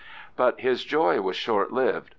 But his joy was short lived.